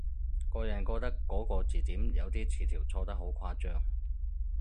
個人覺得嗰個字典有啲詞條錯得好誇張